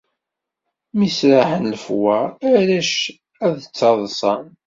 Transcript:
Mi sraḥen lefwaṛ, arrac ad ttaḍsan.